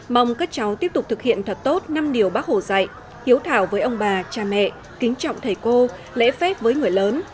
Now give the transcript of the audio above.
mong các cháu tiếp tục thực hiện thật tốt năm điều bác hồ dạy hiếu thảo với ông bà cha mẹ kính trọng thầy cô lễ phép với người lớn